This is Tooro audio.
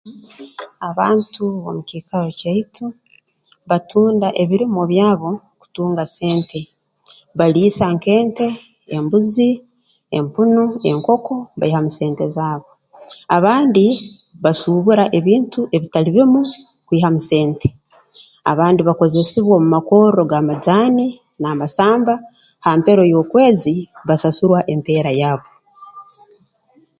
Abantu b'omu kiikaro kyaitu batunda ebirimwa byabo kutunga sente baliisa nk'ente embuzi empunu enkoko baihamu sente zaabo abandi basuubura ebintu ebitali bimu kwihamu sente abandi bakozesibwa omu makorro g'amajaani n'amasamba ha mpero y'okwezi basasurwa empeera yaabu